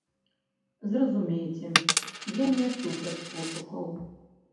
Зразумейце, я не супраць пошукаў.